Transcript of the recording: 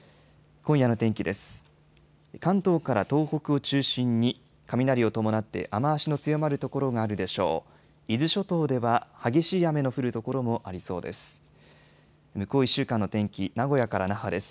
今夜の天気です。